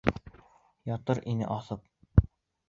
Ятыр ине һаҫып.